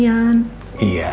iya papa tadi juga udah bilang